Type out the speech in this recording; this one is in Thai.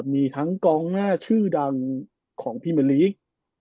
มีทั้งกองหน้าชื่อดังของพี่มะลิ